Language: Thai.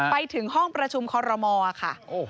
ไปถึงห้องประชุมคณะรัฐมนตรีค่ะ